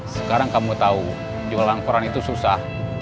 sekarang kamu tahu jualan koran itu susah